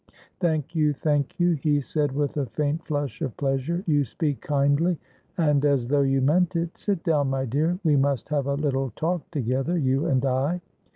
"Thank you, thank you," he said, with a faint flush of pleasure. "You speak kindly and as though you meant it. Sit down, my dear, we must have a little talk together, you and I.